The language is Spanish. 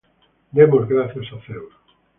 Demos gracias a Dios.